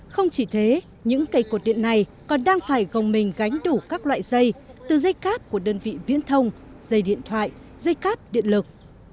không chỉ thế những cây cột điện này còn đang phải gồng mình gánh đủ các loại dây từ dây cáp của đơn vị viễn thông dây điện thoại dây cáp điện lực